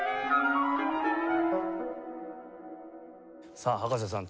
さあ葉加瀬さん